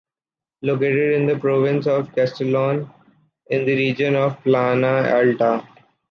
Located in the Province of Castellón, in the region of Plana Alta.